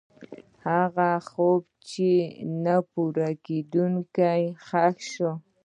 هغه خوب چې نه پوره کېده، ښخ شو.